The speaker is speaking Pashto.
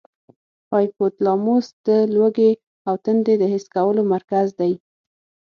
هایپو تلاموس د لوږې او تندې د حس کولو مرکز دی.